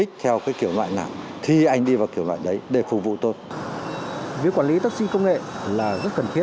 chặt chẽ taxi công nghệ